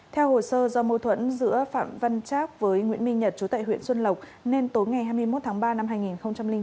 theo hồ sơ do mâu thuẫn giữa phạm văn trác với nguyễn minh nhật chú tại huyện xuân lộc nên tối ngày hai mươi một tháng ba năm hai nghìn bốn